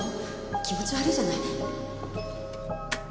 気持ち悪いじゃない。